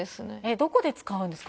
どこで使うんですか？